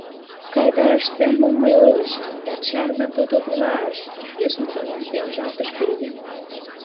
Кай да ыште, мом мый ойлышым, да чарне тототлаш! — йӧсын гына пеҥыжалтыш Пӧръеҥ.